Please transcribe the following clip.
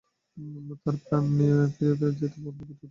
তারা প্রাণ নিয়ে ফিরে যেতে যুদ্ধ করতে থাকে।